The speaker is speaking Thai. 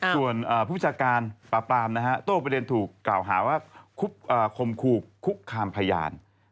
ส่วนผู้พิจารการปลาปลามนะฮะต้นประเด็นถูกกล่าวหาว่าคุกคามพยาน